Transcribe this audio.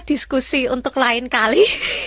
diskusi untuk lain kali